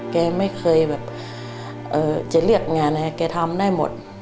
แกไม่เคยแบบจะเรียกงานให้แกทำได้หมด